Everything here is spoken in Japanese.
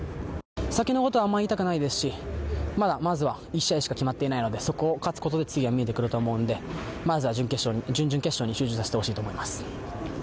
先のことはあまり言いたくないですしまだまずは１試合しか決まっていなのでそこが決まることで次が見えてくると思うのでまずは準々決勝に集中したいと思います。